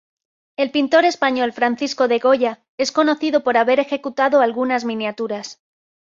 El pintor español Francisco de Goya es conocido por haber ejecutado algunas miniaturas.